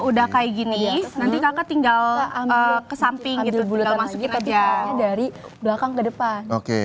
udah kayak gini nanti kakek tinggal ke samping itu tidak masuknya dari belakang ke depan oke